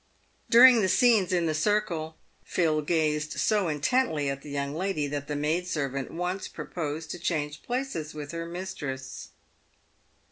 During the scenes in the circle, Phil gazed so intently at the young lady that the maid servant once proposed to change places with her mistress.